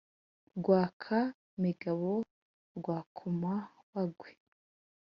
Rwaka-migabo rwa koma-bagwe,